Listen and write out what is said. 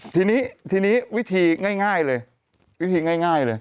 ทีนี้ทีนี้วิธีง่ายเลยวิธีง่ายเลย